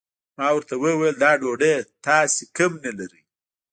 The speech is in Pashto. ما ورته وويل دا ډوډۍ تاسو کوم نه لرئ؟